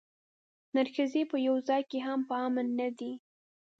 نرښځي په یوه ځای کې هم په امن نه دي.